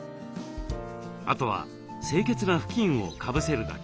あとは清潔な布巾をかぶせるだけ。